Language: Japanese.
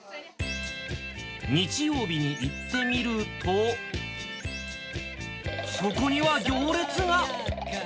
日曜日に行ってみると、そこには行列が。